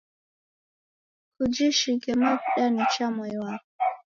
Kujishinge mavuda nicha mwai wapo